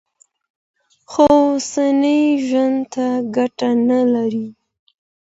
خو اوسني ژوند ته ګټه نه لري.